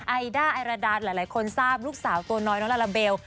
ไอด้าไอราดาหลายคนทราบลูกสาวตัวน้อยน้องลาลาเบล